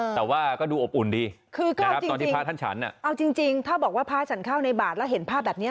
แต่ว่าก็ดูอบอุ่นดีนะครับตอนที่พระท่านฉันเอาจริงถ้าบอกว่าพระฉันเข้าในบาทแล้วเห็นภาพแบบนี้